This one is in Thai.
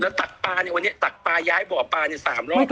แล้วตักประวันนี้ตักประย้ายบ่อประ๓๐๐เยตไป